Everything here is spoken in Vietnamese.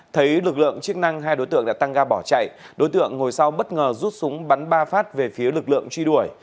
thấy lực lượng chức năng hai đối tượng đã tăng ga bỏ chạy đối tượng ngồi sau bất ngờ rút súng bắn ba phát về phía lực lượng truy đuổi